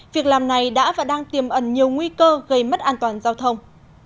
việc làm này đã và đang tiềm ẩn nhiều nguy cơ gây mất an toàn giao thông